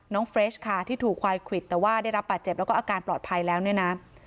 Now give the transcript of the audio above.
เฟรชค่ะที่ถูกควายควิดแต่ว่าได้รับบาดเจ็บแล้วก็อาการปลอดภัยแล้วเนี่ยนะ